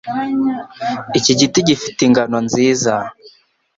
Iki giti gifite ingano nziza.